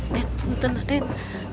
den pungten ah den